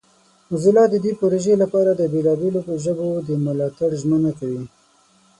موزیلا د دې پروژې لپاره د بیلابیلو ژبو د ملاتړ ژمنه کوي.